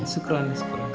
syukur anak syukur